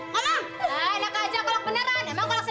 gak ada lagi